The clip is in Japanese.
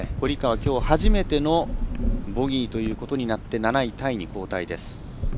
きょう初めてのボギーということになって７位タイに後退です。